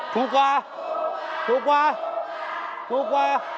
ถูกกว่า